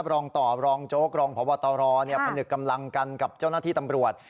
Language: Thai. รองต่อรองโจ๊กรองพบตรพนึกกำลังกันกับเจ้าหน้าที่ตำรวจ